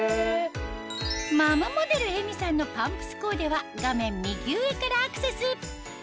ママモデルＥＭＩさんのパンプスコーデは画面右上からアクセス！